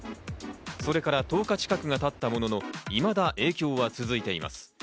それから１０日近くが経ったものの、まだ影響は続いています。